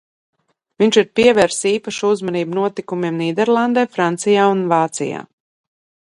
Viņš ir pievērsis īpašu uzmanību notikumiem Nīderlandē, Francijā un Vācijā.